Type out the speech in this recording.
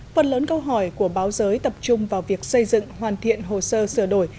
phần lớn câu hỏi của báo giới tập trung vào việc xây dựng hoàn thiện hồ sơ sửa đổi